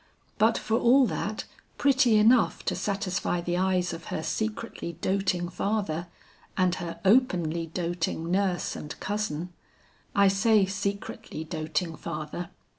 But for all that, pretty enough to satisfy the eyes of her secretly doting father, and her openly doting nurse and cousin. I say secretly doting father.